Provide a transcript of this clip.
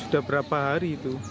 sudah berapa hari itu